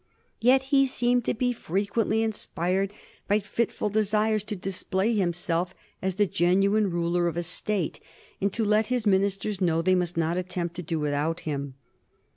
Yet he seemed to be frequently inspired by fitful desires to display himself as the genuine ruler of a State and to let his ministers know they must not attempt to do without him.